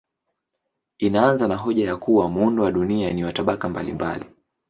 Inaanza na hoja ya kuwa muundo wa dunia ni wa tabaka mbalimbali.